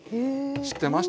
知ってました？